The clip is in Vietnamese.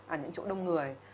ở những chỗ đông người